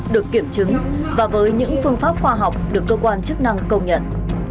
được kiểm chứng và với những phương pháp khoa học được cơ quan chức năng công nhận